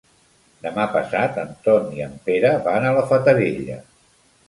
Demà passat en Ton i en Pere van a la Fatarella.